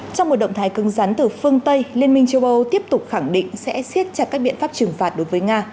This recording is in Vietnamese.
trong một động thái cứng rắn từ phương tây liên minh châu âu tiếp tục khẳng định sẽ xiết chặt các biện pháp trừng phạt đối với nga